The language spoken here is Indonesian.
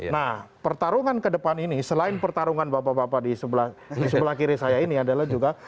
nah pertarungan ke depan ini selain pertarungan bapak bapak di sebelah kiri saya ini adalah juga